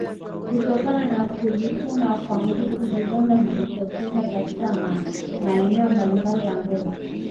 Kutokana na kujikuna kwa nguvu vidonda hujitokeza katika maeneo mbalimbali ya ngozi